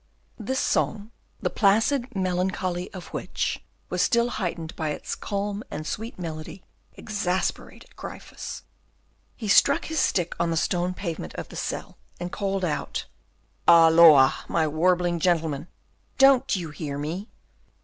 This song, the placid melancholy of which was still heightened by its calm and sweet melody, exasperated Gryphus. He struck his stick on the stone pavement of the cell, and called out, "Halloa! my warbling gentleman, don't you hear me?"